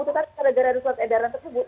tetapi karena ada surat edaran tersebut